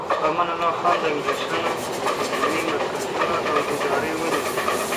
امان الله خان د انګلیسانو علمي مرکزونه او ادارې ولیدې.